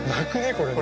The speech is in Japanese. これね。